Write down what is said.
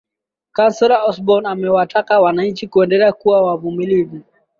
counsellor osborn amewataka wananchi kuendelea kuwa wavumilivu